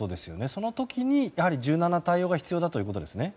その時にやはり柔軟な対応が必要ということですね。